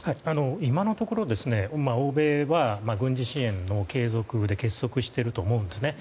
今のところ欧米は軍事支援の継続で結束していると思うんですね。